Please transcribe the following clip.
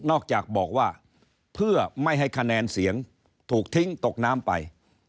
จากบอกว่าเพื่อไม่ให้คะแนนเสียงถูกทิ้งตกน้ำไป